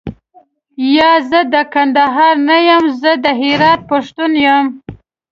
یا، زه د کندهار نه یم زه د هرات پښتون یم.